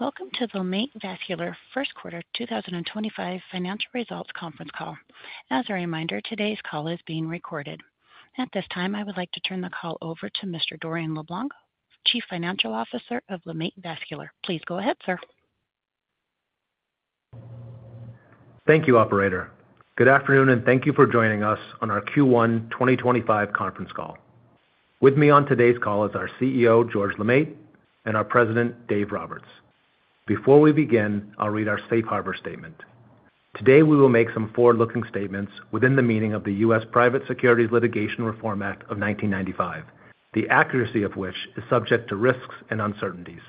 Welcome to LeMaitre Vascular First Quarter 2025 Financial Results Conference Call. As a reminder, today's call is being recorded. At this time, I would like to turn the call over to Mr. Dorian LeBlanc, Chief Financial Officer of LeMaitre Vascular. Please go ahead, sir. Thank you, Operator. Good afternoon, and thank you for joining us on our Q1 2025 conference call. With me on today's call is our CEO, George LeMaitre, and our President, Dave Roberts. Before we begin, I'll read our Safe Harbor Statement. Today, we will make some forward-looking statements within the meaning of the U.S. Private Securities Litigation Reform Act of 1995, the accuracy of which is subject to risks and uncertainties.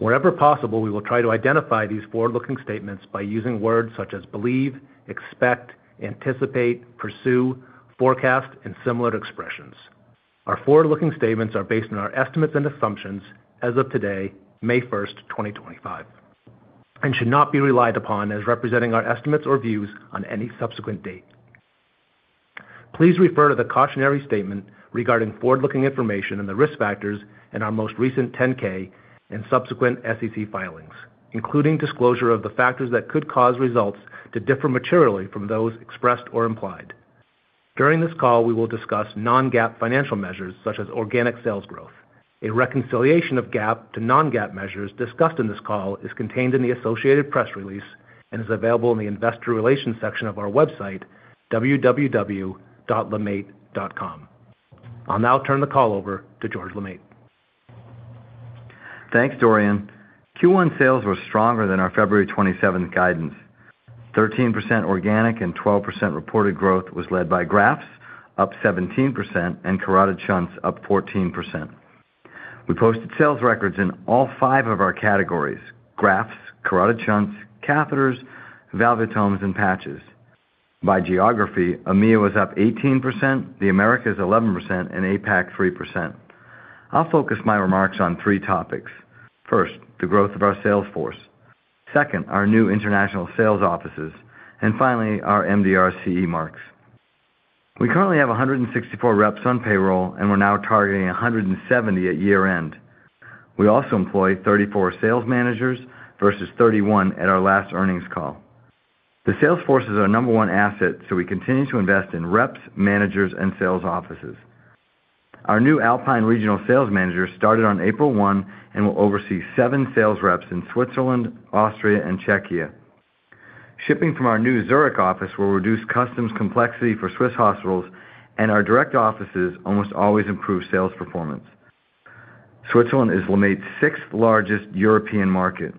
Wherever possible, we will try to identify these forward-looking statements by using words such as believe, expect, anticipate, pursue, forecast, and similar expressions. Our forward-looking statements are based on our estimates and assumptions as of today, May 1st, 2025, and should not be relied upon as representing our estimates or views on any subsequent date. Please refer to the cautionary statement regarding forward-looking information and the risk factors in our most recent 10-K and subsequent SEC filings, including disclosure of the factors that could cause results to differ materially from those expressed or implied. During this call, we will discuss non-GAAP financial measures such as organic sales growth. A reconciliation of GAAP to non-GAAP measures discussed in this call is contained in the associated press release and is available in the investor relations section of our website, www.lemaitre.com. I'll now turn the call over to George LeMaitre. Thanks, Dorian. Q1 sales were stronger than our February 27 guidance. 13% organic and 12% reported growth was led by grafts, up 17%, and carotid shunts, up 14%. We posted sales records in all five of our categories: grafts, carotid shunts, catheters, valvulotomes, and patches. By geography, EMEA was up 18%, the Americas 11%, and APAC 3%. I'll focus my remarks on three topics. First, the growth of our sales force. Second, our new international sales offices. Finally, our MDR CE marks. We currently have 164 reps on payroll, and we're now targeting 170 at year-end. We also employ 34 sales managers versus 31 at our last earnings call. The sales force is our number one asset, so we continue to invest in reps, managers, and sales offices. Our new Alpine Regional Sales Manager started on April 1 and will oversee seven sales reps in Switzerland, Austria, and Czechia. Shipping from our new Zurich office will reduce customs complexity for Swiss hospitals, and our direct offices almost always improve sales performance. Switzerland is LeMaitre's sixth-largest European market.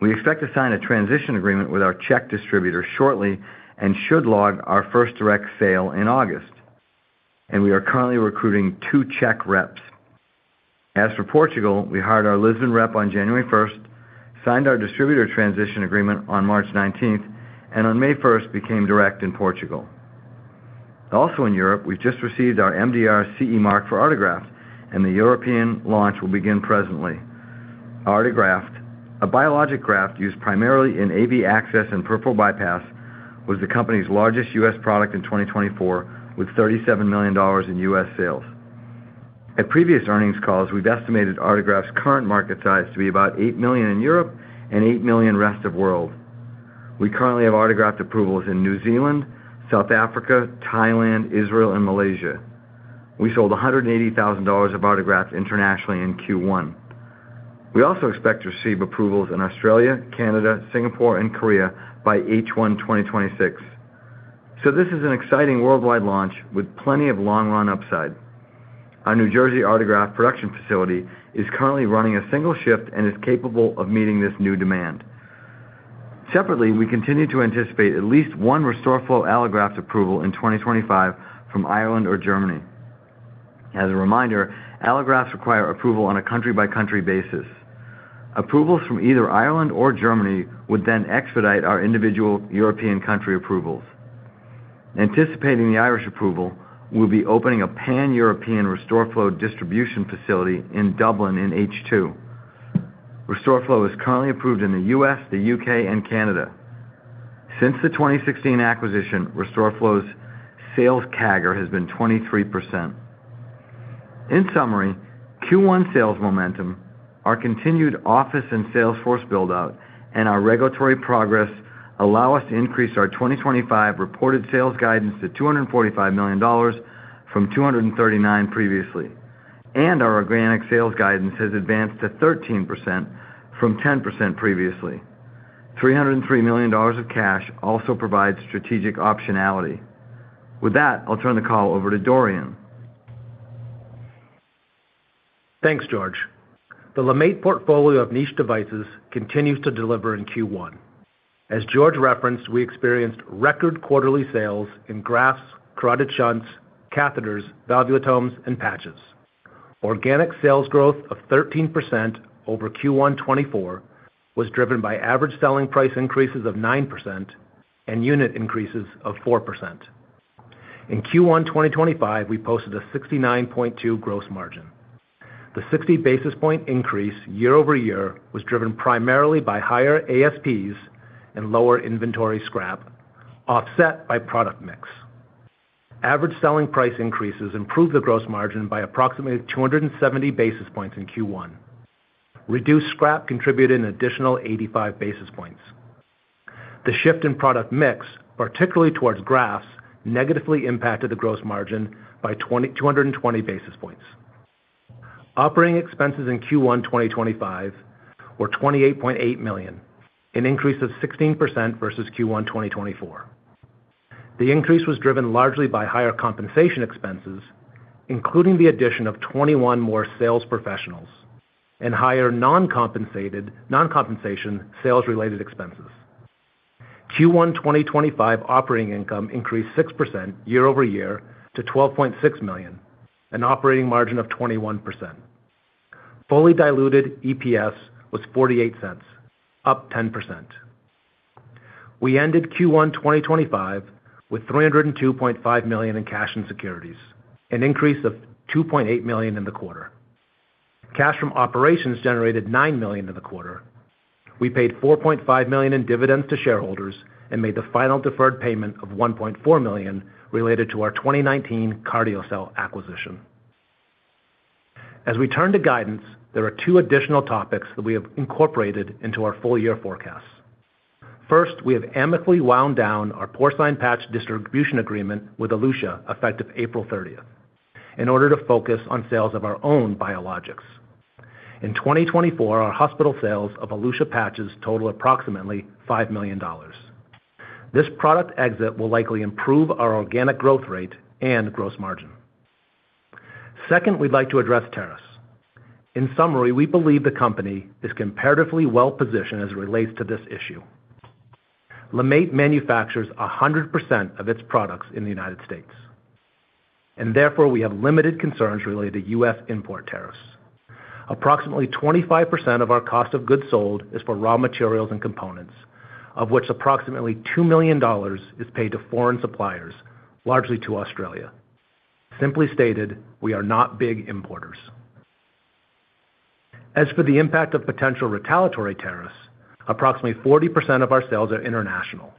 We expect to sign a transition agreement with our Czech distributor shortly and should log our first direct sale in August. We are currently recruiting two Czech reps. As for Portugal, we hired our Lisbon rep on January 1st, signed our distributor transition agreement on March 19, and on May 1 became direct in Portugal. Also in Europe, we've just received our MDR CE mark for Artegraft, and the European launch will begin presently. Artegraft, a biologic graft used primarily in AV access and peripheral bypass, was the company's largest U.S. product in 2024, with $37 million in U.S. sales. At previous earnings calls, we've estimated Artegraft's current market size to be about $8 million in Europe and $8 million rest of world. We currently have Artegraft approvals in New Zealand, South Africa, Thailand, Israel, and Malaysia. We sold $180,000 of Artegraft internationally in Q1. We also expect to receive approvals in Australia, Canada, Singapore, and Korea by H1 2026. This is an exciting worldwide launch with plenty of long-run upside. Our New Jersey Artegraft production facility is currently running a single shift and is capable of meeting this new demand. Separately, we continue to anticipate at least one RestoreFlow Allograft approval in 2025 from Ireland or Germany. As a reminder, Allografts require approval on a country-by-country basis. Approvals from either Ireland or Germany would then expedite our individual European country approvals. Anticipating the Irish approval, we'll be opening a pan-European RestoreFlow distribution facility in Dublin in H2. RestoreFlow is currently approved in the U.S., the U.K., and Canada. Since the 2016 acquisition, RestoreFlow's sales CAGR has been 23%. In summary, Q1 sales momentum, our continued office and sales force build-out, and our regulatory progress allow us to increase our 2025 reported sales guidance to $245 million from $239 million previously. Our organic sales guidance has advanced to 13% from 10% previously. $303 million of cash also provides strategic optionality. With that, I'll turn the call over to Dorian. Thanks, George. The LeMaitre portfolio of niche devices continues to deliver in Q1. As George referenced, we experienced record quarterly sales in grafts, carotid shunts, catheters, valvulotomes, and patches. Organic sales growth of 13% over Q1 2024 was driven by average selling price increases of 9% and unit increases of 4%. In Q1 2025, we posted a 69.2% gross margin. The 60 basis point increase year-over-year was driven primarily by higher ASPs and lower inventory scrap, offset by product mix. Average selling price increases improved the gross margin by approximately 270 basis points in Q1. Reduced scrap contributed an additional 85 basis points. The shift in product mix, particularly towards grafts, negatively impacted the gross margin by 220 basis points. Operating expenses in Q1 2025 were $28.8 million, an increase of 16% versus Q1 2024. The increase was driven largely by higher compensation expenses, including the addition of 21 more sales professionals and higher non-compensation sales-related expenses. Q1 2025 operating income increased 6% year-over-year to $12.6 million and an operating margin of 21%. Fully diluted EPS was $0.48, up 10%. We ended Q1 2025 with $302.5 million in cash and securities, an increase of $2.8 million in the quarter. Cash from operations generated $9 million in the quarter. We paid $4.5 million in dividends to shareholders and made the final deferred payment of $1.4 million related to our 2019 CardioCel acquisition. As we turn to guidance, there are two additional topics that we have incorporated into our full-year forecasts. First, we have amicably wound down our porcine patch distribution agreement with Elutia effective April 30 in order to focus on sales of our own biologics. In 2024, our hospital sales of Elutia patches totaled approximately $5 million. This product exit will likely improve our organic growth rate and gross margin. Second, we'd like to address tariffs. In summary, we believe the company is comparatively well-positioned as it relates to this issue. LeMaitre manufactures 100% of its products in the U.S., and therefore we have limited concerns related to U.S. import tariffs. Approximately 25% of our cost of goods sold is for raw materials and components, of which approximately $2 million is paid to foreign suppliers, largely to Australia. Simply stated, we are not big importers. As for the impact of potential retaliatory tariffs, approximately 40% of our sales are international.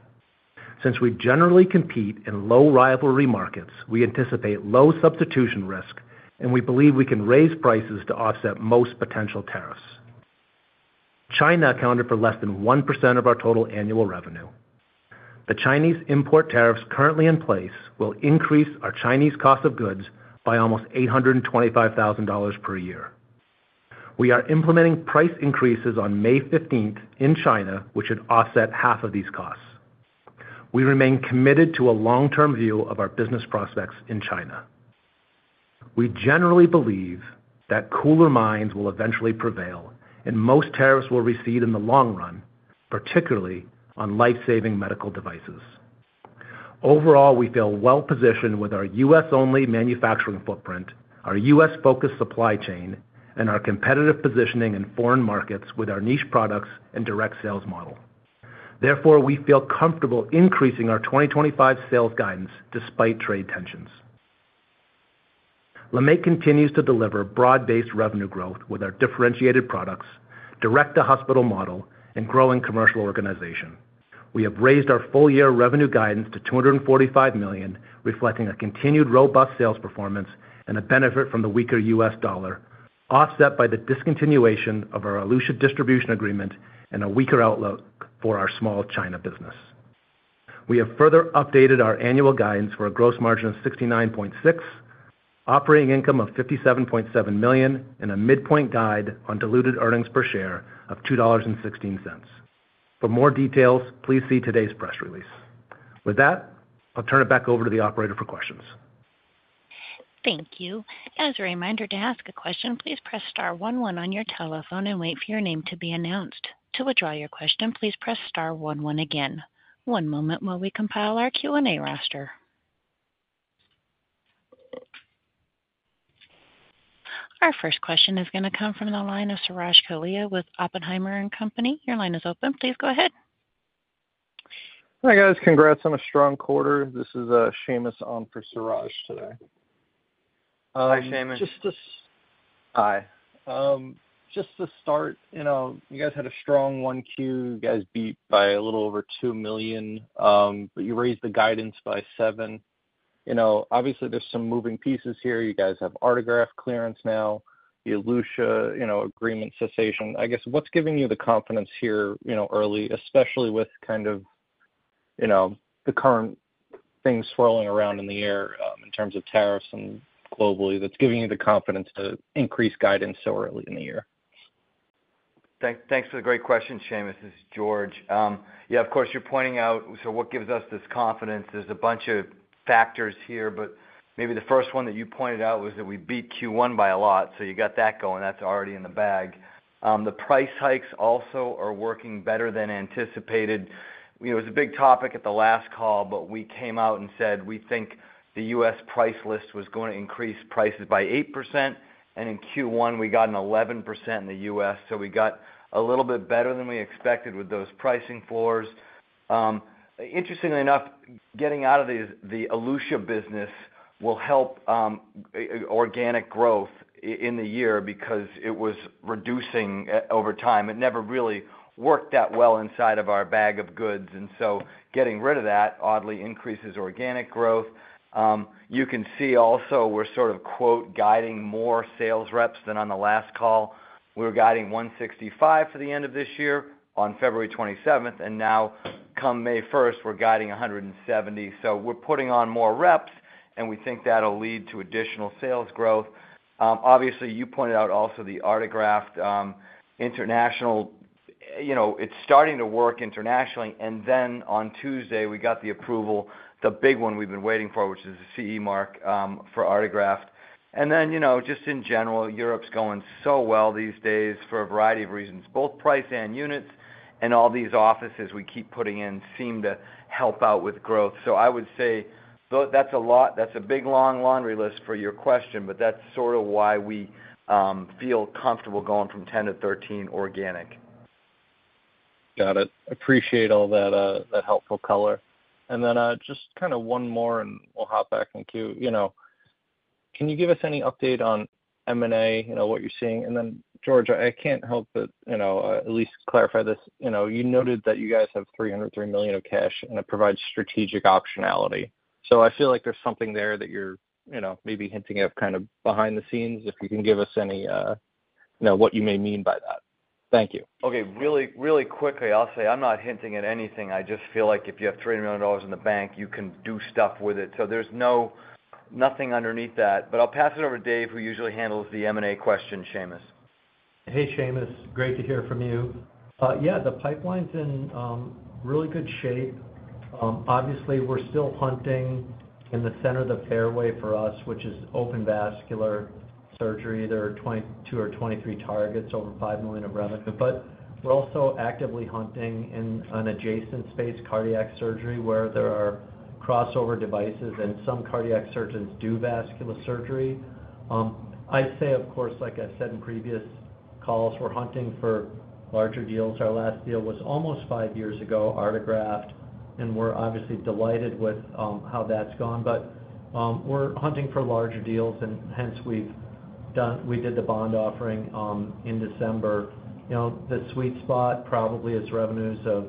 Since we generally compete in low rivalry markets, we anticipate low substitution risk, and we believe we can raise prices to offset most potential tariffs. China accounted for less than 1% of our total annual revenue. The Chinese import tariffs currently in place will increase our Chinese cost of goods by almost $825,000 per year. We are implementing price increases on May 15 in China, which should offset half of these costs. We remain committed to a long-term view of our business prospects in China. We generally believe that cooler minds will eventually prevail, and most tariffs will recede in the long run, particularly on lifesaving medical devices. Overall, we feel well-positioned with our U.S.-only manufacturing footprint, our U.S.-focused supply chain, and our competitive positioning in foreign markets with our niche products and direct sales model. Therefore, we feel comfortable increasing our 2025 sales guidance despite trade tensions. LeMaitre continues to deliver broad-based revenue growth with our differentiated products, direct-to-hospital model, and growing commercial organization. We have raised our full-year revenue guidance to $245 million, reflecting a continued robust sales performance and a benefit from the weaker U.S. dollar, offset by the discontinuation of our Elutia distribution agreement and a weaker outlook for our small China business. We have further updated our annual guidance for a gross margin of 69.6%, operating income of $57.7 million, and a midpoint guide on diluted earnings per share of $2.16. For more details, please see today's press release. With that, I'll turn it back over to the Operator for questions. Thank you. As a reminder to ask a question, please press star one one on your telephone and wait for your name to be announced. To withdraw your question, please press star one one again. One moment while we compile our Q&A roster. Our first question is going to come from the line of Suraj Kalia with Oppenheimer & Company. Your line is open. Please go ahead. Hi guys. Congrats on a strong quarter. This is Seamus on for Suraj today. Hi, Seamus. Just to start, you guys had a strong Q1. You guys beat by a little over $2 million, but you raised the guidance by seven. Obviously, there's some moving pieces here. You guys have Artegraft clearance now, the Elutia agreement cessation. I guess, what's giving you the confidence here early, especially with kind of the current things swirling around in the air in terms of tariffs and globally, that's giving you the confidence to increase guidance so early in the year? Thanks for the great question, Seamus. This is George. Yeah, of course, you're pointing out, so what gives us this confidence? There's a bunch of factors here, but maybe the first one that you pointed out was that we beat Q1 by a lot, so you got that going. That's already in the bag. The price hikes also are working better than anticipated. It was a big topic at the last call, but we came out and said we think the U.S. price list was going to increase prices by 8%, and in Q1, we got an 11% in the U.S., so we got a little bit better than we expected with those pricing floors. Interestingly enough, getting out of the Elutia business will help organic growth in the year because it was reducing over time. It never really worked that well inside of our bag of goods, and getting rid of that oddly increases organic growth. You can see also we're sort of "guiding" more sales reps than on the last call. We were guiding 165 for the end of this year on February 27, and now come May 1, we're guiding 170. We are putting on more reps, and we think that'll lead to additional sales growth. Obviously, you pointed out also the Artegraft international. It's starting to work internationally, and on Tuesday, we got the approval, the big one we've been waiting for, which is the CE mark for Artegraft. In general, Europe's going so well these days for a variety of reasons. Both price and units, and all these offices we keep putting in seem to help out with growth. I would say that's a big long laundry list for your question, but that's sort of why we feel comfortable going from 10 to 13 organic. Got it. Appreciate all that helpful color. Just kind of one more, and we'll hop back in Q. Can you give us any update on M&A, what you're seeing? George, I can't help but at least clarify this. You noted that you guys have $303 million of cash, and it provides strategic optionality. I feel like there's something there that you're maybe hinting at kind of behind the scenes. If you can give us what you may mean by that. Thank you. Okay. Really quickly, I'll say I'm not hinting at anything. I just feel like if you have $300 million in the bank, you can do stuff with it. There is nothing underneath that. I will pass it over to Dave, who usually handles the M&A questions, Seamus. Hey, Seamus. Great to hear from you. Yeah, the pipeline's in really good shape. Obviously, we're still hunting in the center of the fairway for us, which is open vascular surgery. There are 22 or 23 targets over $5 million of revenue. We're also actively hunting in an adjacent space, cardiac surgery, where there are crossover devices, and some cardiac surgeons do vascular surgery. I'd say, of course, like I said in previous calls, we're hunting for larger deals. Our last deal was almost five years ago, Artegraft, and we're obviously delighted with how that's gone. We're hunting for larger deals, and hence we did the bond offering in December. The sweet spot probably is revenues of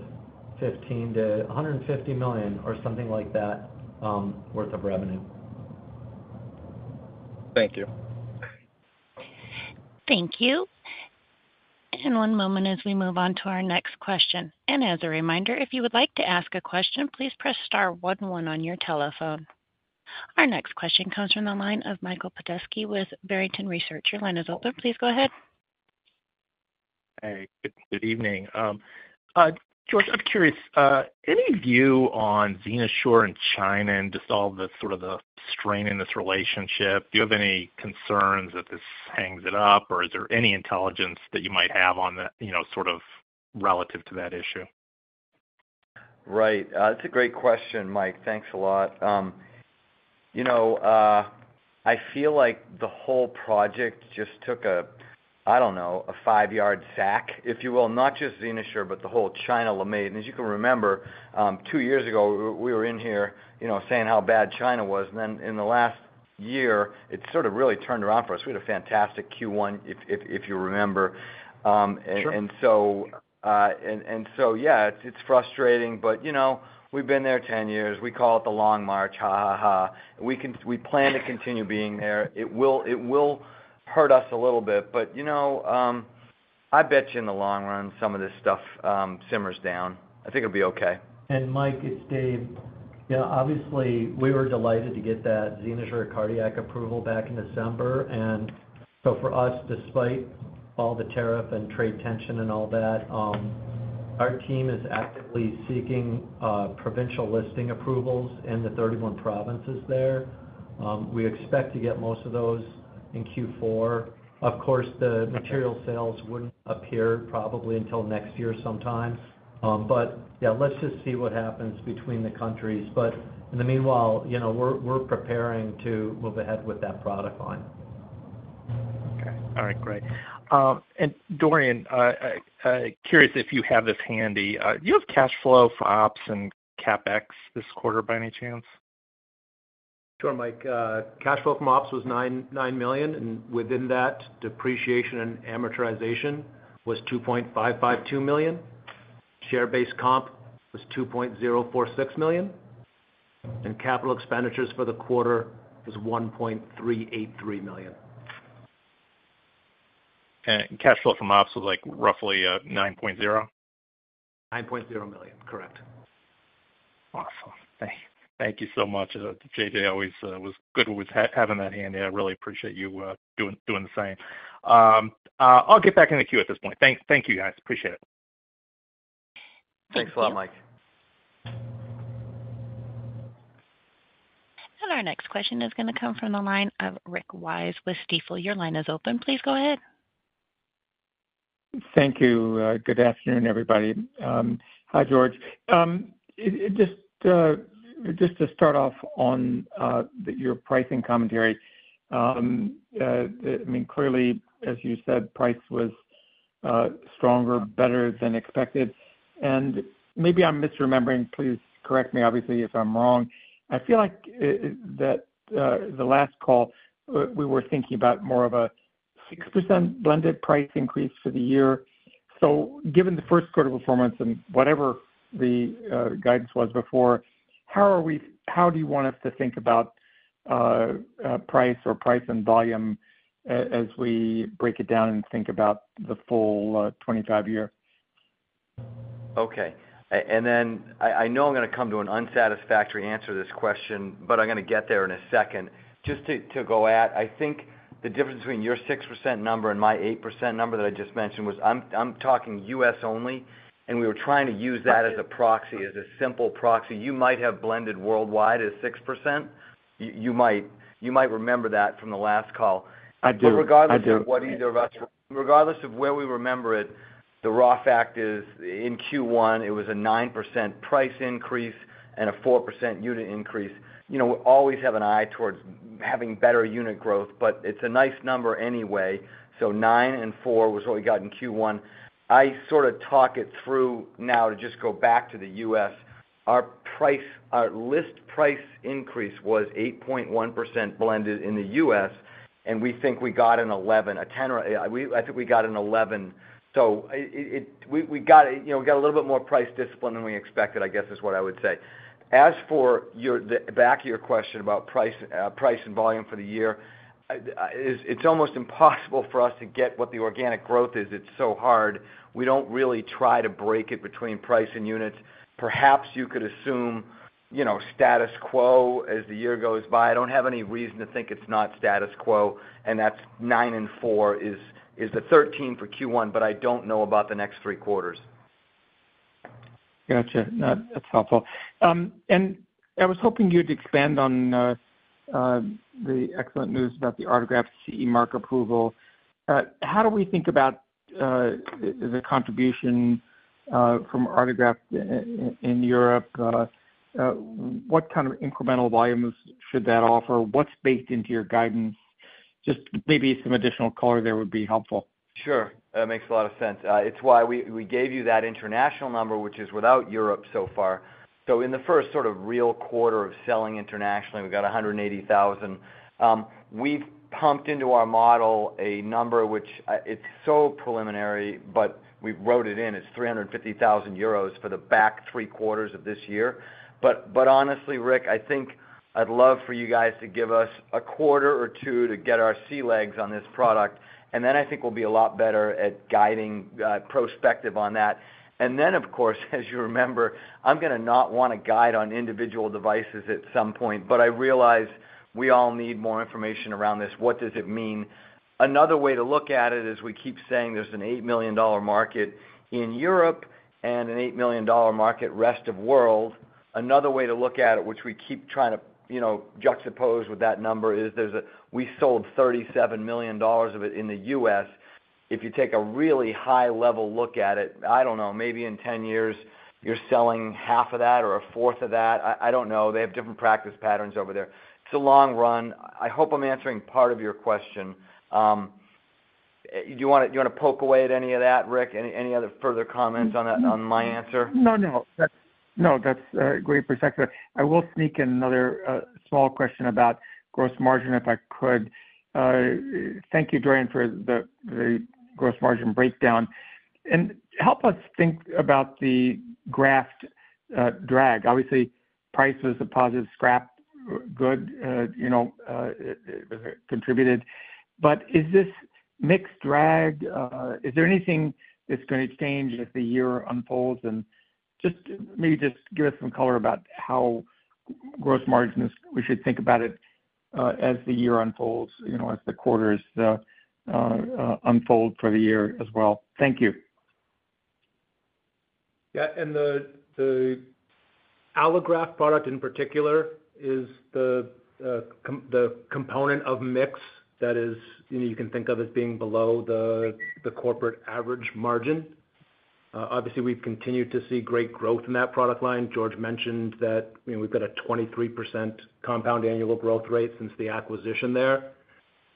$150 million or something like that worth of revenue. Thank you. Thank you. One moment as we move on to our next question. As a reminder, if you would like to ask a question, please press star one one on your telephone. Our next question comes from the line of Michael Petusky with Barrington Research. Your line is open. Please go ahead. Hey. Good evening. George, I'm curious, any view on XenoSure and China and just all the strain in this relationship? Do you have any concerns that this hangs it up, or is there any intelligence that you might have on that sort of relative to that issue? Right. That's a great question, Mike. Thanks a lot. I feel like the whole project just took a, I don't know, a five-yard sack, if you will, not just XenoSure, but the whole China-LeMaitre. As you can remember, two years ago, we were in here saying how bad China was, and then in the last year, it sort of really turned around for us. We had a fantastic Q1, if you remember. Yeah, it's frustrating, but we've been there 10 years. We call it the long march, ha ha ha. We plan to continue being there. It will hurt us a little bit, but I bet you in the long run, some of this stuff simmers down. I think it'll be okay. Mike, it's Dave. Yeah, obviously, we were delighted to get that XenoSure cardiac approval back in December. For us, despite all the tariff and trade tension and all that, our team is actively seeking provincial listing approvals in the 31 provinces there. We expect to get most of those in Q4. Of course, the material sales would not appear probably until next year sometime. Yeah, let's just see what happens between the countries. In the meanwhile, we're preparing to move ahead with that product line. Okay. All right. Great. Dorian, curious if you have this handy. Do you have cash flow from Ops and CapEx this quarter by any chance? Sure, Mike. Cash flow from Ops was $9 million, and within that, depreciation and amortization was $2.552 million. Share-based comp was $2.046 million. Capital expenditures for the quarter was $1.383 million. Cash flow from Ops was roughly $9.0? $9.0 million. Correct. Awesome. Thank you so much. J.J. always was good with having that handy. I really appreciate you doing the same. I'll get back in the Q at this point. Thank you, guys. Appreciate it. Thanks a lot, Mike. Our next question is going to come from the line of Rick Wise with Stifel. Your line is open. Please go ahead. Thank you. Good afternoon, everybody. Hi, George. Just to start off on your pricing commentary, I mean, clearly, as you said, price was stronger, better than expected. Maybe I'm misremembering. Please correct me, obviously, if I'm wrong. I feel like that the last call, we were thinking about more of a 6% blended price increase for the year. Given the first quarter performance and whatever the guidance was before, how do you want us to think about price or price and volume as we break it down and think about the full 2025 year? Okay. I know I'm going to come to an unsatisfactory answer to this question, but I'm going to get there in a second. Just to go at, I think the difference between your 6% number and my 8% number that I just mentioned was I'm talking U.S. only, and we were trying to use that as a proxy, as a simple proxy. You might have blended worldwide as 6%. You might remember that from the last call. Regardless of where we remember it, the raw fact is in Q1, it was a 9% price increase and a 4% unit increase. We always have an eye towards having better unit growth, but it's a nice number anyway. Nine and four was what we got in Q1. I sort of talk it through now to just go back to the U.S. Our list price increase was 8.1% blended in the U.S., and we think we got an 11. I think we got an 11. We got a little bit more price discipline than we expected, I guess, is what I would say. As for the back of your question about price and volume for the year, it's almost impossible for us to get what the organic growth is. It's so hard. We don't really try to break it between price and units. Perhaps you could assume status quo as the year goes by. I don't have any reason to think it's not status quo, and that's nine and four is the 13 for Q1, but I don't know about the next three quarters. Gotcha. That's helpful. I was hoping you'd expand on the excellent news about the Artegraft CE mark approval. How do we think about the contribution from Artegraft in Europe? What kind of incremental volumes should that offer? What's baked into your guidance? Just maybe some additional color there would be helpful. Sure. That makes a lot of sense. It's why we gave you that international number, which is without Europe so far. In the first sort of real quarter of selling internationally, we got $180,000. We've pumped into our model a number, which it's so preliminary, but we wrote it in. It's 350,000 euros for the back three quarters of this year. Honestly, Rick, I think I'd love for you guys to give us a quarter or two to get our sea legs on this product, and then I think we'll be a lot better at guiding prospective on that. Of course, as you remember, I'm going to not want to guide on individual devices at some point, but I realize we all need more information around this. What does it mean? Another way to look at it is we keep saying there's an $8 million market in Europe and an $8 million market rest of world. Another way to look at it, which we keep trying to juxtapose with that number, is we sold $37 million of it in the U.S. If you take a really high-level look at it, I don't know, maybe in 10 years, you're selling half of that or a fourth of that. I don't know. They have different practice patterns over there. It's a long run. I hope I'm answering part of your question. Do you want to poke away at any of that, Rick? Any other further comments on my answer? No, no. No, that's a great perspective. I will sneak in another small question about gross margin if I could. Thank you, Dorian, for the gross margin breakdown. Help us think about the graft drag. Obviously, price was a positive scrap good. It contributed. Is this mixed drag? Is there anything that's going to change as the year unfolds? Maybe just give us some color about how gross margins we should think about it as the year unfolds, as the quarters unfold for the year as well. Thank you. Yeah. The Artegraft product in particular is the component of mix that you can think of as being below the corporate average margin. Obviously, we've continued to see great growth in that product line. George mentioned that we've got a 23% compound annual growth rate since the acquisition there.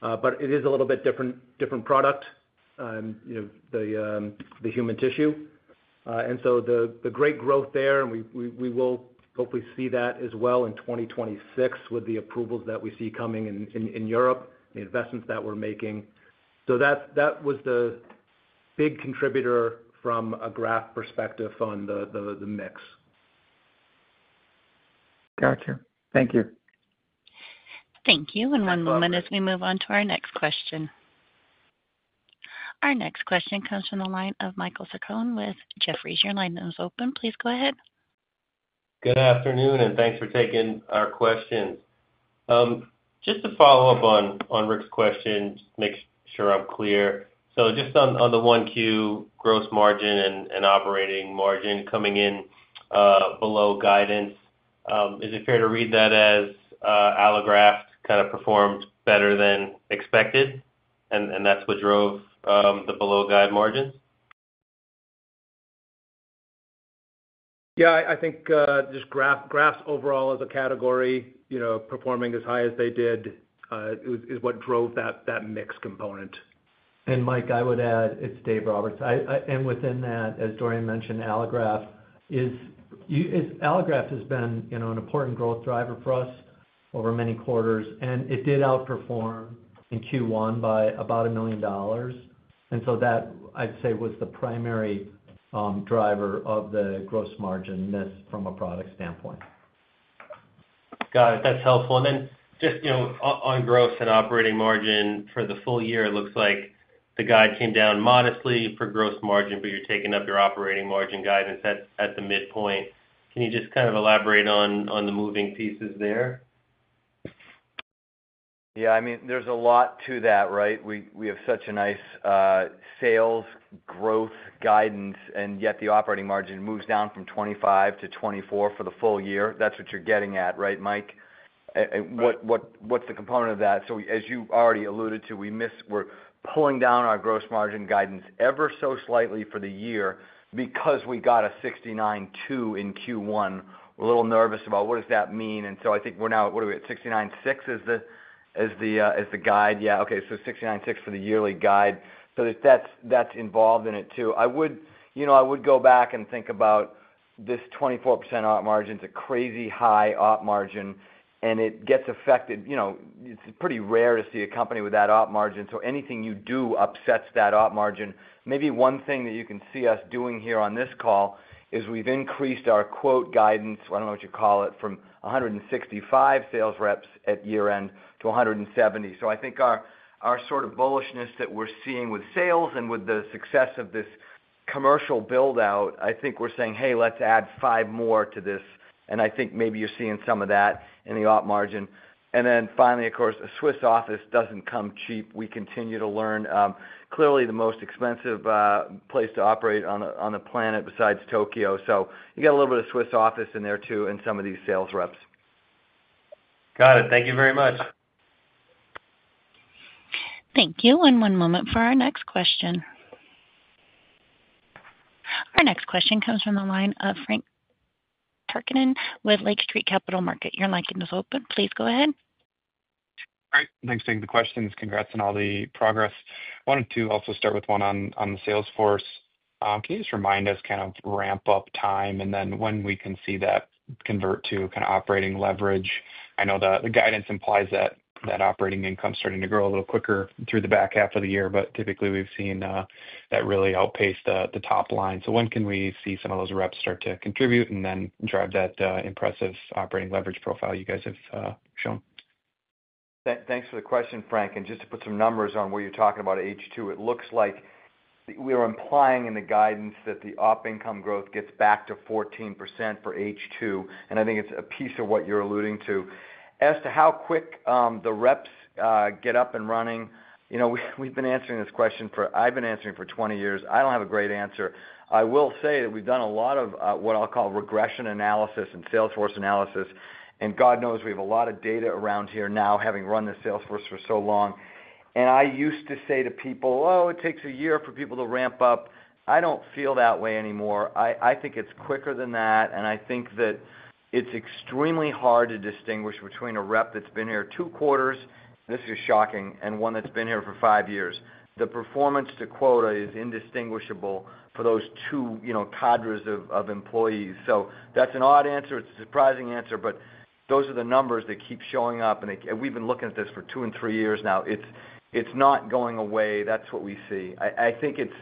It is a little bit different product, the human tissue. The great growth there, and we will hopefully see that as well in 2026 with the approvals that we see coming in Europe, the investments that we're making. That was the big contributor from a graft perspective on the mix. Gotcha. Thank you. Thank you. One moment as we move on to our next question. Our next question comes from the line of Michael Saccone with Jefferies. Your line is open. Please go ahead. Good afternoon, and thanks for taking our questions. Just to follow up on Rick's question, just to make sure I'm clear. Just on the one Q, gross margin and operating margin coming in below guidance, is it fair to read that as Artegraft kind of performed better than expected, and that's what drove the below guide margins? Yeah. I think just graft overall as a category, performing as high as they did, is what drove that mix component. Mike, I would add, it's Dave Roberts. Within that, as Dorian mentioned, Artegraft has been an important growth driver for us over many quarters, and it did outperform in Q1 by about $1 million. That, I'd say, was the primary driver of the gross margin miss from a product standpoint. Got it. That's helpful. Just on gross and operating margin for the full year, it looks like the guide came down modestly for gross margin, but you're taking up your operating margin guidance at the midpoint. Can you just kind of elaborate on the moving pieces there? Yeah. I mean, there's a lot to that, right? We have such a nice sales growth guidance, and yet the operating margin moves down from 25%-24% for the full year. That's what you're getting at, right, Mike? What's the component of that? As you already alluded to, we're pulling down our gross margin guidance ever so slightly for the year because we got a 69.2% in Q1. We're a little nervous about what does that mean. I think we're now, what are we at? 69.6% is the guide. Yeah. Okay. 69.6% for the yearly guide. That's involved in it too. I would go back and think about this 24% op margin. It's a crazy high op margin, and it gets affected. It's pretty rare to see a company with that op margin. Anything you do upsets that op margin. Maybe one thing that you can see us doing here on this call is we've increased our quote guidance, I don't know what you call it, from 165 sales reps at year-end to 170. I think our sort of bullishness that we're seeing with sales and with the success of this commercial build-out, I think we're saying, "Hey, let's add five more to this." I think maybe you're seeing some of that in the op margin. Finally, of course, a Swiss office doesn't come cheap. We continue to learn. Clearly, the most expensive place to operate on the planet besides Tokyo. You got a little bit of Swiss office in there too in some of these sales reps. Got it. Thank you very much. Thank you. One moment for our next question. Our next question comes from the line of Frank Takkinen with Lake Street. Your line is open. Please go ahead. All right. Thanks for taking the questions. Congrats on all the progress. I wanted to also start with one on the sales force. Can you just remind us kind of ramp up time and then when we can see that convert to kind of operating leverage? I know the guidance implies that operating income is starting to grow a little quicker through the back half of the year, but typically we've seen that really outpace the top line. When can we see some of those reps start to contribute and then drive that impressive operating leverage profile you guys have shown? Thanks for the question, Frank. Just to put some numbers on where you're talking about H2, it looks like we are implying in the guidance that the operating income growth gets back to 14% for H2. I think it's a piece of what you're alluding to. As to how quick the reps get up and running, we've been answering this question for I have been answering for 20 years. I don't have a great answer. I will say that we've done a lot of what I'll call regression analysis and sales force analysis. God knows we have a lot of data around here now, having run the sales force for so long. I used to say to people, "Oh, it takes a year for people to ramp up." I don't feel that way anymore. I think it's quicker than that. I think that it's extremely hard to distinguish between a rep that's been here two quarters, and this is shocking, and one that's been here for five years. The performance to quota is indistinguishable for those two cadres of employees. That's an odd answer. It's a surprising answer, but those are the numbers that keep showing up. We've been looking at this for two and three years now. It's not going away. That's what we see. I think it's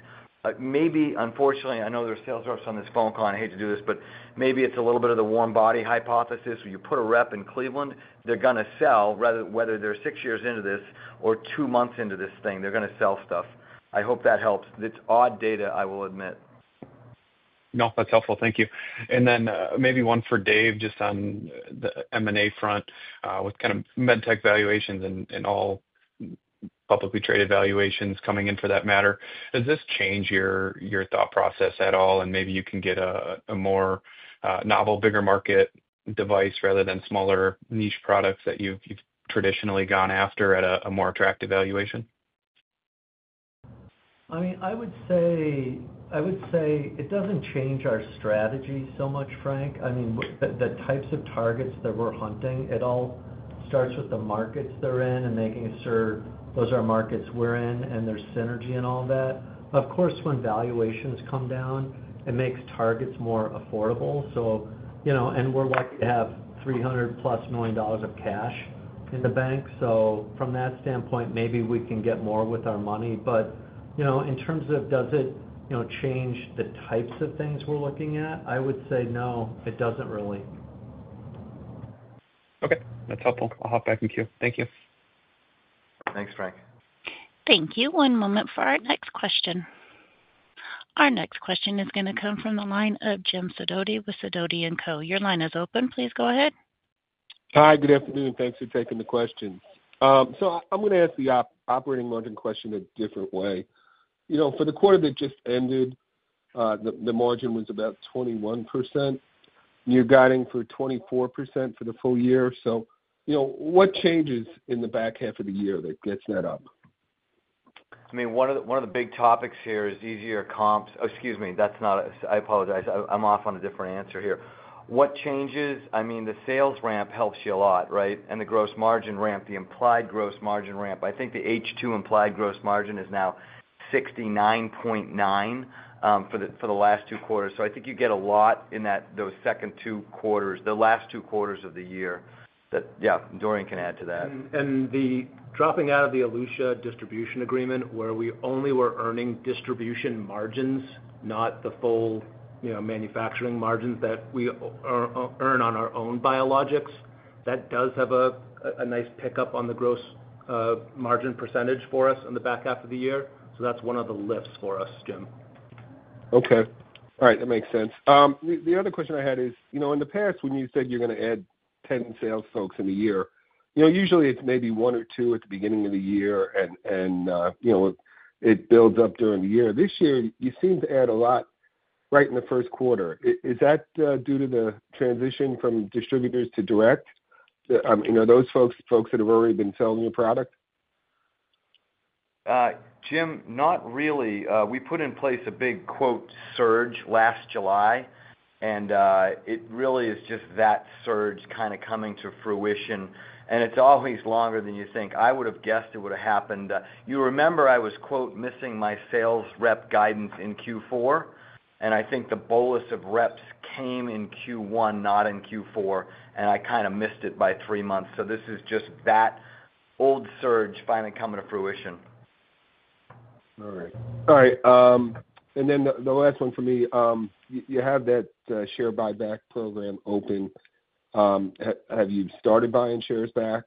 maybe, unfortunately, I know there are sales reps on this phone call, and I hate to do this, but maybe it's a little bit of the warm body hypothesis. When you put a rep in Cleveland, they're going to sell, whether they're six years into this or two months into this thing, they're going to sell stuff. I hope that helps. It's odd data, I will admit. No, that's helpful. Thank you. Maybe one for Dave just on the M&A front with kind of med tech valuations and all publicly traded valuations coming in for that matter. Does this change your thought process at all? Maybe you can get a more novel, bigger market device rather than smaller niche products that you've traditionally gone after at a more attractive valuation? I mean, I would say it doesn't change our strategy so much, Frank. I mean, the types of targets that we're hunting, it all starts with the markets they're in and making sure those are markets we're in and there's synergy and all that. Of course, when valuations come down, it makes targets more affordable. We're lucky to have $300 million-plus of cash in the bank. From that standpoint, maybe we can get more with our money. In terms of does it change the types of things we're looking at, I would say no, it doesn't really. Okay. That's helpful. I'll hop back in Q. Thank you. Thanks, Frank. Thank you. One moment for our next question. Our next question is going to come from the line of James Sidoti with Sidoti & Company. Your line is open. Please go ahead. Hi, good afternoon. Thanks for taking the question. I'm going to ask the operating margin question a different way. For the quarter that just ended, the margin was about 21%. You're guiding for 24% for the full year. What changes in the back half of the year that gets that up? I mean, one of the big topics here is easier comps. Oh, excuse me. I apologize. I'm off on a different answer here. What changes? I mean, the sales ramp helps you a lot, right? And the gross margin ramp, the implied gross margin ramp. I think the H2 implied gross margin is now 69.9 for the last two quarters. I think you get a lot in those second two quarters, the last two quarters of the year. Yeah. Dorian can add to that. The dropping out of the Elutia distribution agreement where we only were earning distribution margins, not the full manufacturing margins that we earn on our own biologics, that does have a nice pickup on the gross margin percentage for us in the back half of the year. That is one of the lifts for us, Jim. Okay. All right. That makes sense. The other question I had is, in the past, when you said you're going to add 10 sales folks in a year, usually it's maybe one or two at the beginning of the year, and it builds up during the year. This year, you seem to add a lot right in the first quarter. Is that due to the transition from distributors to direct? I mean, are those folks that have already been selling your product? Jim, not really. We put in place a big quote surge last July, and it really is just that surge kind of coming to fruition. It is always longer than you think. I would have guessed it would have happened. You remember I was "missing my sales rep guidance in Q4," and I think the bolus of reps came in Q1, not in Q4, and I kind of missed it by three months. This is just that old surge finally coming to fruition. All right. All right. The last one for me, you have that share buyback program open. Have you started buying shares back?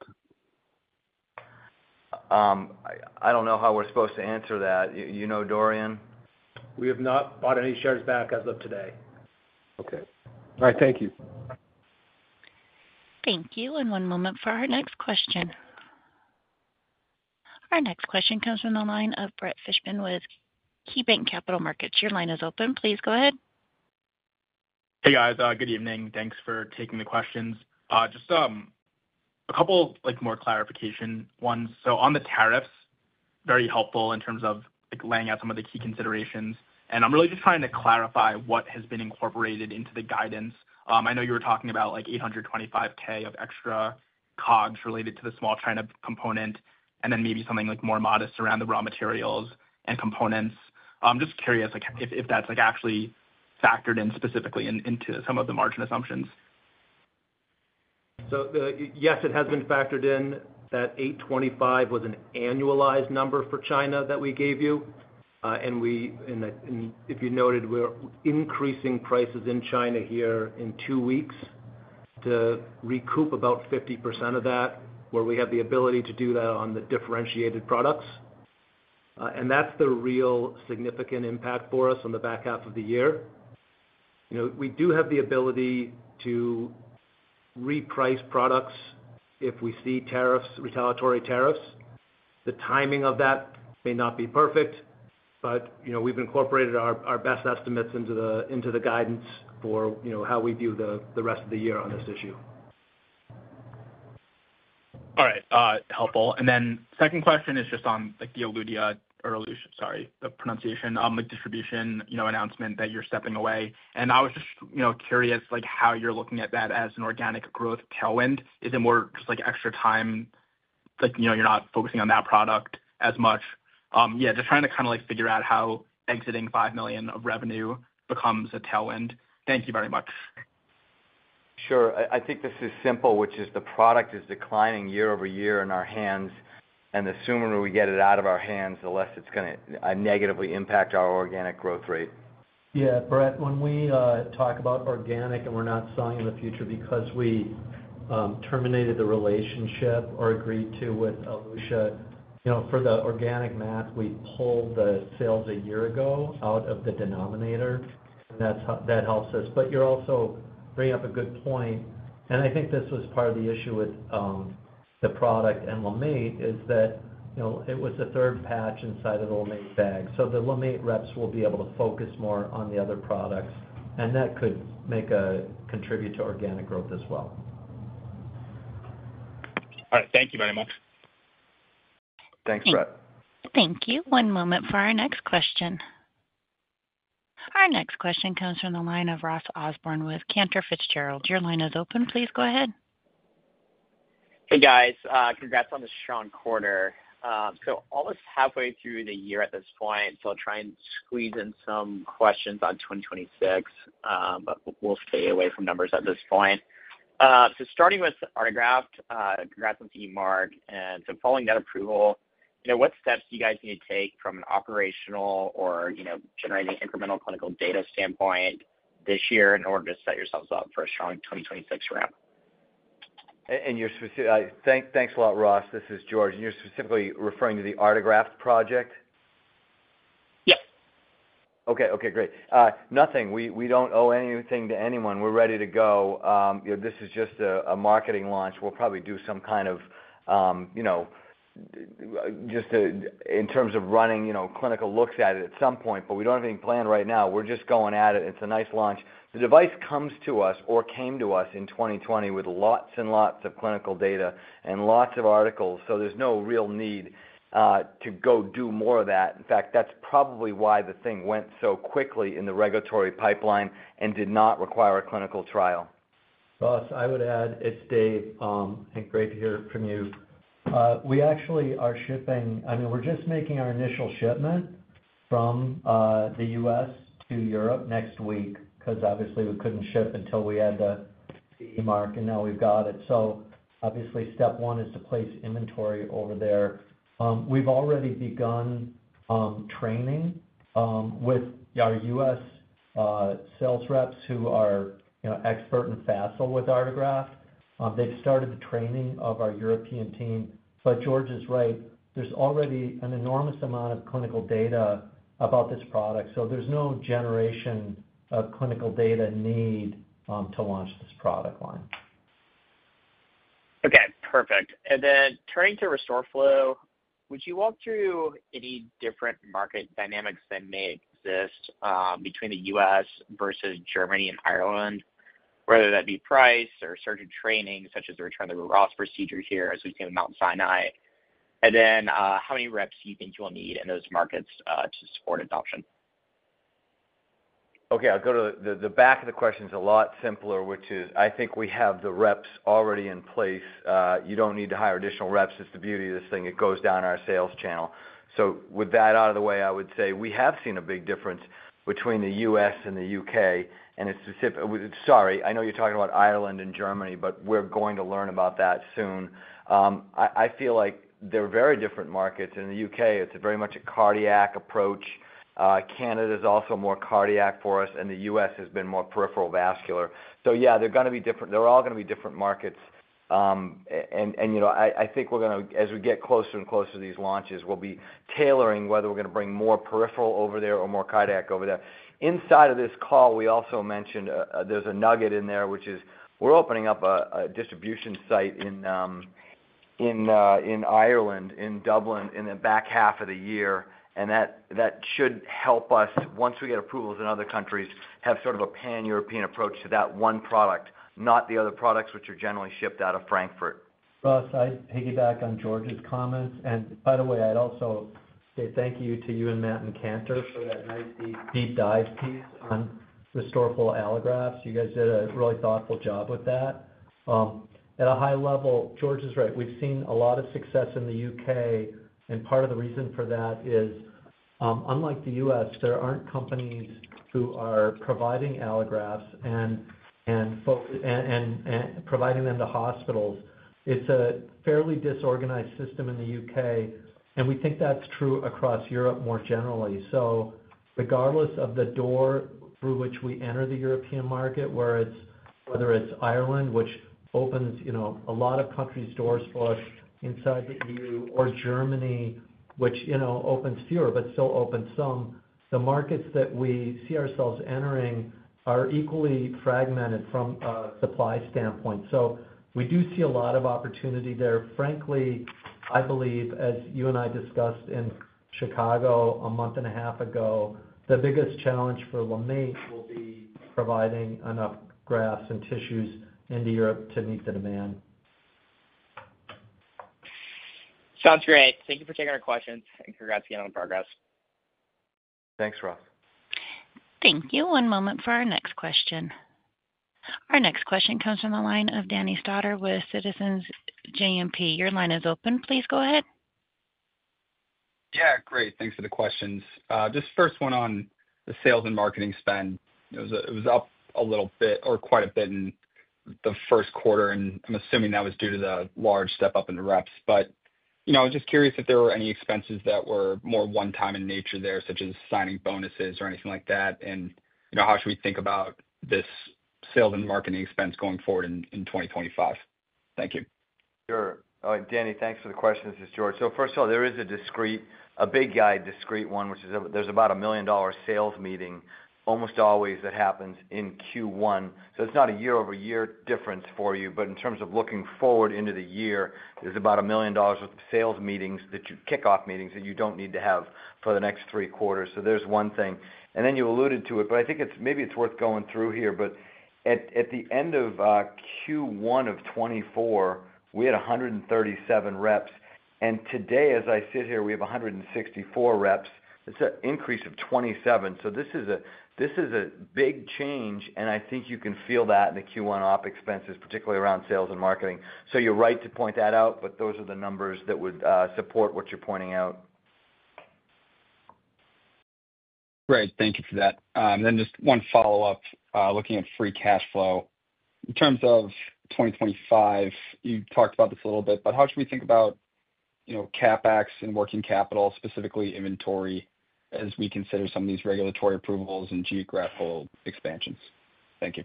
I don't know how we're supposed to answer that. You know, Dorian? We have not bought any shares back as of today. Okay. All right. Thank you. Thank you. One moment for our next question. Our next question comes from the line of Brett Fishbin with KeyBanc Capital Markets. Your line is open. Please go ahead. Hey, guys. Good evening. Thanks for taking the questions. Just a couple more clarification ones. On the tariffs, very helpful in terms of laying out some of the key considerations. I am really just trying to clarify what has been incorporated into the guidance. I know you were talking about $825,000 of extra cogs related to the small China component, and then maybe something more modest around the raw materials and components. I am just curious if that is actually factored in specifically into some of the margin assumptions. Yes, it has been factored in. That $825,000 was an annualized number for China that we gave you. If you noted, we're increasing prices in China here in two weeks to recoup about 50% of that, where we have the ability to do that on the differentiated products. That's the real significant impact for us on the back half of the year. We do have the ability to reprice products if we see retaliatory tariffs. The timing of that may not be perfect, but we've incorporated our best estimates into the guidance for how we view the rest of the year on this issue. All right. Helpful. Second question is just on the Elutia, sorry, the pronunciation, distribution announcement that you're stepping away. I was just curious how you're looking at that as an organic growth tailwind. Is it more just extra time? You're not focusing on that product as much? Yeah. Just trying to kind of figure out how exiting $5 million of revenue becomes a tailwind. Thank you very much. Sure. I think this is simple, which is the product is declining year over year in our hands. The sooner we get it out of our hands, the less it's going to negatively impact our organic growth rate. Yeah. Brett, when we talk about organic and we're not selling in the future because we terminated the relationship or agreed to with Elutia, for the organic math, we pulled the sales a year ago out of the denominator. That helps us. You're also bringing up a good point. I think this was part of the issue with the product and LeMaitre is that it was the third patch inside of the LeMaitre bag. The LeMaitre reps will be able to focus more on the other products. That could contribute to organic growth as well. All right. Thank you very much. Thanks, Brett. Thank you. One moment for our next question. Our next question comes from the line of Ross Osborn with Cantor Fitzgerald. Your line is open. Please go ahead. Hey, guys. Congrats on the strong quarter. Almost halfway through the year at this point, so I'll try and squeeze in some questions on 2026, but we'll stay away from numbers at this point. Starting with Artegraft, congrats on CE mark. Following that approval, what steps do you guys need to take from an operational or generating incremental clinical data standpoint this year in order to set yourselves up for a strong 2026 ramp? Thanks a lot, Ross. This is George. And you're specifically referring to the Artegraft project? Yep. Okay. Great. Nothing. We do not owe anything to anyone. We are ready to go. This is just a marketing launch. We will probably do some kind of, just in terms of running clinical looks at it at some point, but we do not have anything planned right now. We are just going at it. It is a nice launch. The device comes to us or came to us in 2020 with lots and lots of clinical data and lots of articles, so there is no real need to go do more of that. In fact, that is probably why the thing went so quickly in the regulatory pipeline and did not require a clinical trial. Ross, I would add, it's Dave. Great to hear it from you. We actually are shipping. I mean, we're just making our initial shipment from the U.S. to Europe next week because obviously we couldn't ship until we had the MDR CE mark, and now we've got it. Step one is to place inventory over there. We've already begun training with our U.S. sales reps who are expert and facile with Artegraft. They've started the training of our European team. George is right. There's already an enormous amount of clinical data about this product. There's no generation of clinical data need to launch this product line. Okay. Perfect. Turning to RestoreFlow, would you walk through any different market dynamics that may exist between the U.S. versus Germany and Ireland, whether that be price or certain training such as the return of the Ross procedure here as we see in Mount Sinai? How many reps do you think you'll need in those markets to support adoption? Okay. I'll go to the back of the question. It is a lot simpler, which is I think we have the reps already in place. You do not need to hire additional reps. It is the beauty of this thing. It goes down our sales channel. With that out of the way, I would say we have seen a big difference between the U.S. and the U.K. Sorry, I know you are talking about Ireland and Germany, but we are going to learn about that soon. I feel like they are very different markets. In the U.K., it is very much a cardiac approach. Canada is also more cardiac for us, and the U.S. has been more peripheral vascular. They are going to be different. They are all going to be different markets. I think we're going to, as we get closer and closer to these launches, we'll be tailoring whether we're going to bring more peripheral over there or more cardiac over there. Inside of this call, we also mentioned there's a nugget in there, which is we're opening up a distribution site in Ireland, in Dublin, in the back half of the year. That should help us, once we get approvals in other countries, have sort of a pan-European approach to that one product, not the other products which are generally shipped out of Frankfurt. Ross, I'd piggyback on George's comments. By the way, I'd also say thank you to you and Matt and Cantor for that nice deep dive piece on RestoreFlow Allografts. You guys did a really thoughtful job with that. At a high level, George is right. We've seen a lot of success in the U.K. Part of the reason for that is, unlike the U.S., there aren't companies who are providing allografts and providing them to hospitals. It's a fairly disorganized system in the U.K. We think that's true across Europe more generally. Regardless of the door through which we enter the European market, whether it's Ireland, which opens a lot of countries' doors for us inside the EU, or Germany, which opens fewer but still opens some, the markets that we see ourselves entering are equally fragmented from a supply standpoint. We do see a lot of opportunity there. Frankly, I believe, as you and I discussed in Chicago a month and a half ago, the biggest challenge for LeMaitre will be providing enough grafts and tissues into Europe to meet the demand. Sounds great. Thank you for taking our questions. Congrats again on the progress. Thanks, Ross. Thank you. One moment for our next question. Our next question comes from the line of Danny Stauder with Citizens JMP. Your line is open. Please go ahead. Yeah. Great. Thanks for the questions. Just first one on the sales and marketing spend. It was up a little bit or quite a bit in the first quarter. I'm assuming that was due to the large step up in the reps. I was just curious if there were any expenses that were more one-time in nature there, such as signing bonuses or anything like that. How should we think about this sales and marketing expense going forward in 2025? Thank you. Sure. All right. Danny, thanks for the questions. This is George. First of all, there is a big guide, discreet one, which is there's about a $1 million sales meeting almost always that happens in Q1. It is not a year-over-year difference for you. In terms of looking forward into the year, there's about $1 million worth of sales meetings, those kick-off meetings that you do not need to have for the next three quarters. That is one thing. You alluded to it, but I think maybe it is worth going through here. At the end of Q1 of 2024, we had 137 reps. Today, as I sit here, we have 164 reps. It is an increase of 27. This is a big change. I think you can feel that in the Q1 op expenses, particularly around sales and marketing. You're right to point that out, but those are the numbers that would support what you're pointing out. Great. Thank you for that. Just one follow-up looking at free cash flow. In terms of 2025, you talked about this a little bit, but how should we think about CapEx and working capital, specifically inventory, as we consider some of these regulatory approvals and geographical expansions? Thank you.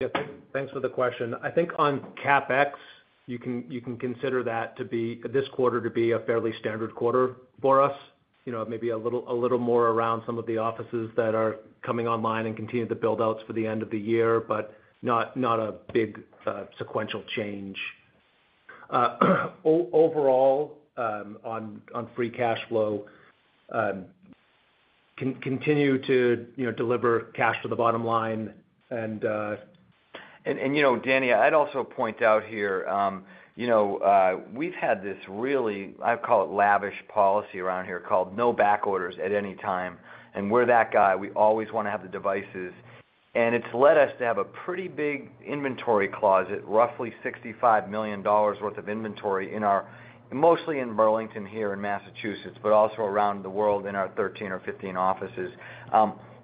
Yep. Thanks for the question. I think on CapEx, you can consider this quarter to be a fairly standard quarter for us, maybe a little more around some of the offices that are coming online and continue the build-outs for the end of the year, but not a big sequential change. Overall, on free cash flow, continue to deliver cash to the bottom line. Danny, I'd also point out here, we've had this really, I call it lavish policy around here called no back orders at any time. We're that guy. We always want to have the devices. It's led us to have a pretty big inventory closet, roughly $65 million worth of inventory mostly in Burlington, Massachusetts, but also around the world in our 13 or 15 offices.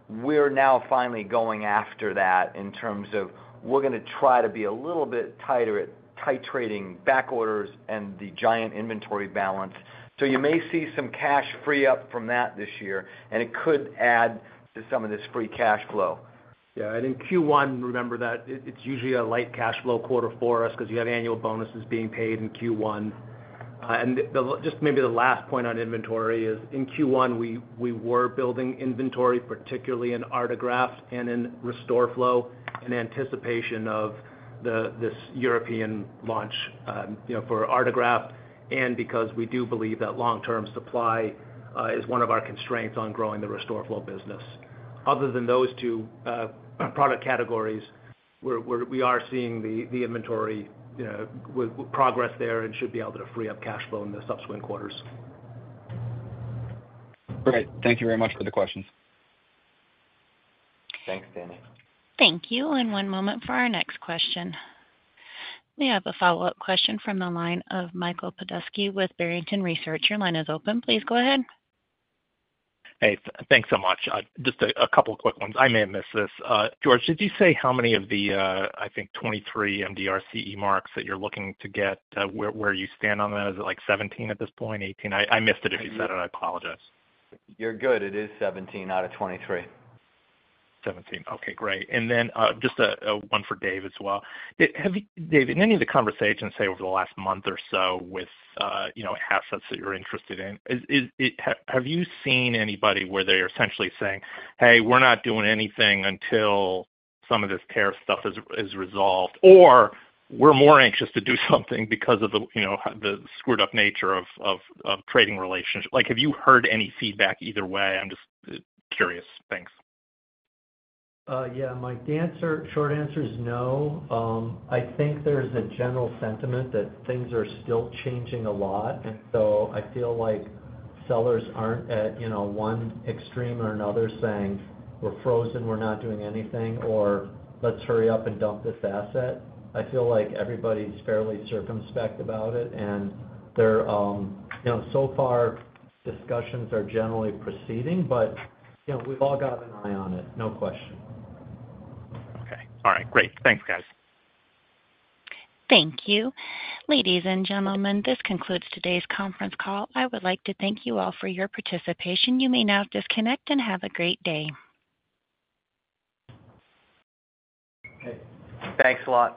We're now finally going after that in terms of we're going to try to be a little bit tighter at titrating back orders and the giant inventory balance. You may see some cash free up from that this year, and it could add to some of this free cash flow. Yeah. In Q1, remember that it's usually a light cash flow quarter for us because you have annual bonuses being paid in Q1. Just maybe the last point on inventory is in Q1, we were building inventory, particularly in Artegraft and in RestoreFlow in anticipation of this European launch for Artegraft and because we do believe that long-term supply is one of our constraints on growing the RestoreFlow business. Other than those two product categories, we are seeing the inventory with progress there and should be able to free up cash flow in the subsequent quarters. Great. Thank you very much for the questions. Thanks, Danny. Thank you. One moment for our next question. We have a follow-up question from the line of Michael Petusky with Barrington Research. Your line is open. Please go ahead. Hey. Thanks so much. Just a couple of quick ones. I may have missed this. George, did you say how many of the, I think, 23 MDR CE marks that you're looking to get, where you stand on that? Is it like 17 at this point, 18? I missed it if you said it. I apologize. You're good. It is 17 out of 23. Okay. Great. Just one for Dave as well. Dave, in any of the conversations, say, over the last month or so with assets that you're interested in, have you seen anybody where they're essentially saying, "Hey, we're not doing anything until some of this tariff stuff is resolved," or, "We're more anxious to do something because of the screwed-up nature of trading relationships"? Have you heard any feedback either way? I'm just curious. Thanks. Yeah. My short answer is no. I think there's a general sentiment that things are still changing a lot. I feel like sellers aren't at one extreme or another saying, "We're frozen. We're not doing anything," or, "Let's hurry up and dump this asset." I feel like everybody's fairly circumspect about it. So far, discussions are generally proceeding, but we've all got an eye on it, no question. Okay. All right. Great. Thanks, guys. Thank you. Ladies and gentlemen, this concludes today's conference call. I would like to thank you all for your participation. You may now disconnect and have a great day. Thanks a lot.